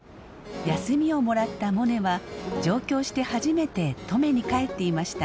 休みをもらったモネは上京して初めて登米に帰っていました。